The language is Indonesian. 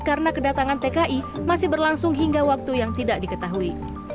karena kedatangan tki masih berlangsung hingga waktu yang tidak diketahui